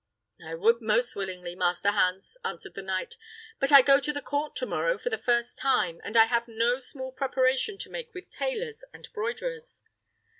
"I would most willingly, Master Hans," answered the knight; "but I go to the court to morrow for the first time, and I have no small preparation to make with tailors and broiderers."